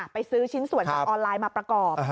ไปซื้อชิ้นส่วนจากออนไลน์มาประกอบ